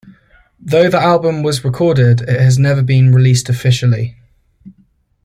Though the album was recorded, it has never been released officially.